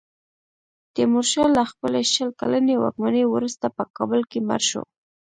تیمورشاه له خپلې شل کلنې واکمنۍ وروسته په کابل کې مړ شو.